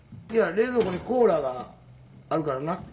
冷蔵庫にコーラがあるからな。